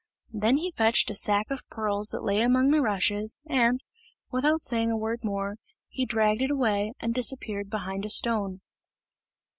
Then he fetched a sack of pearls that lay among the rushes, and, without saying a word more, he dragged it away and disappeared behind a stone.